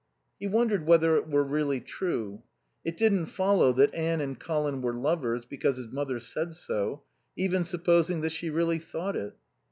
He wondered whether it were really true. It didn't follow that Anne and Colin were lovers because his mother said so; even supposing that she really thought it.